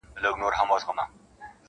شمع چي لمبه نه سي رڼا نه وي-